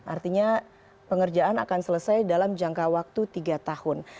artinya pengerjaan akan selesai dalam jangka waktu tiga tahun